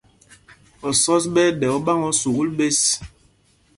Osɔ́s ɓɛ́ ɛ́ ɗɛ óɓáŋ ō sukûl ɓěs.